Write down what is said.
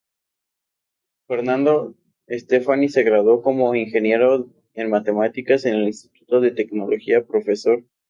Fernando Stefani se graduó como Ingeniero en Materiales en el Instituto de Tecnología Prof.